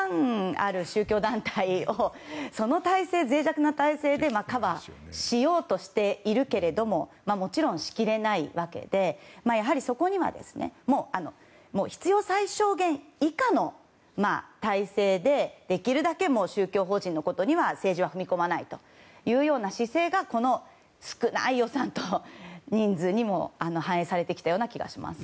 ある宗教団体をその脆弱な体制でカバーしようとしているけどももちろん、しきれないわけでやはり、そこには必要最小限以下の体制でできるだけ宗教法人のことに政治は踏み込まないという姿勢がこの少ない予算と人数にも反映されてきたような気がします。